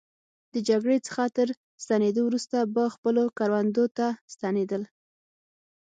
د جګړې څخه تر ستنېدو وروسته به خپلو کروندو ته ستنېدل.